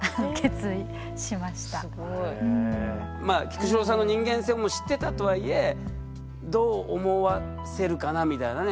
菊紫郎さんの人間性も知ってたとはいえどう思わせるかなみたいなね。